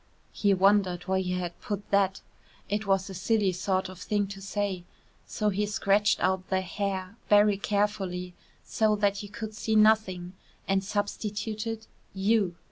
He wondered why he had put that: it was a silly sort of thing to say; so he scratched out the "hair" very carefully so that you could see nothing, and substituted "you."